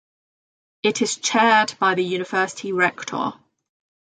It is chaired by the University Rector.